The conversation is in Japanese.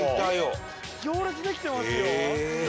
行列できてますよ。